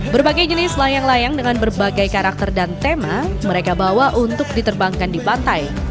berbagai jenis layang layang dengan berbagai karakter dan tema mereka bawa untuk diterbangkan di pantai